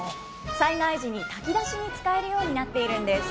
災害時に炊き出しに使えるようになっているんです。